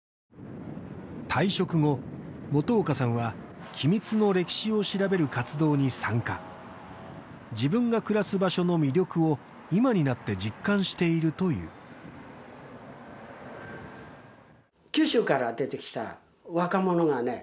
退職後元岡さんは君津の歴史を調べる活動に参加自分が暮らす場所の魅力を今になって実感しているという九州から出てきた若者がね